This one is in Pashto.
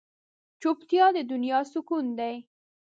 چوپتیا، د دنیا سکون دی.